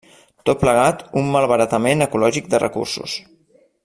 Tot plegat un malbaratament ecològic de recursos.